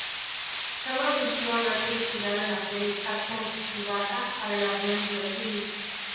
Chow admitió haberse inspirado en la serie Captain Tsubasa para el argumento del filme.